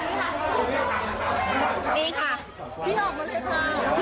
เสื้อชั้นในพี่ตกอยู่เนี่ยค่ะ